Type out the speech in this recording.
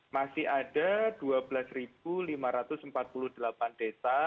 masih ada dua belas lima ratus empat puluh delapan desa